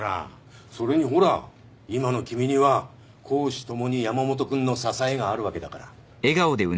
それにほら今の君には公私共に山本君の支えがあるわけだから。